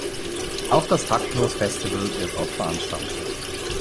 Auch das Taktlos Festival wird dort veranstaltet.